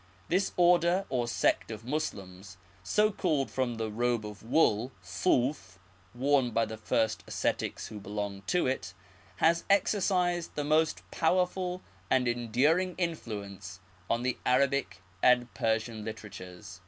This order or sect of Moslems, so called from the robe of wool {s4f), worn by the first ascetics who belonged to it, has exercised the most powerful and en during influence on the Arabic and Persian literatures.